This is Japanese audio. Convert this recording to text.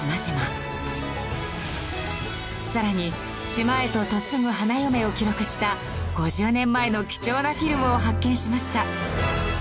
さらに島へと嫁ぐ花嫁を記録した５０年前の貴重なフィルムを発見しました。